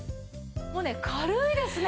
もうね軽いですね。